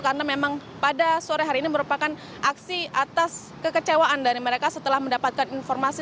karena memang pada sore hari ini merupakan aksi atas kekecewaan dari mereka setelah mendapatkan informasi